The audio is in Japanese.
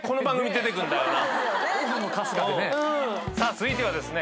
さあ続いてはですね